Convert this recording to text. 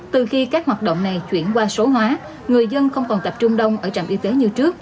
từ khi các hoạt động này chuyển qua số hóa người dân không còn tập trung đông ở trạm y tế như trước